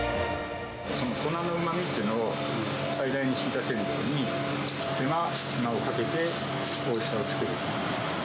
粉のうまみってのを最大に引き出せるように、手間暇をかけて、おいしさを作る。